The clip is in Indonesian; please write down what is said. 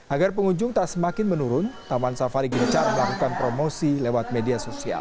agar pengunjung tak semakin menurun taman safari gencar melakukan promosi lewat media sosial